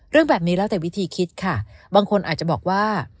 เรื่องแบบนี้แล้วแต่วิธีคิดค่ะบางคนอาจจะบอกว่า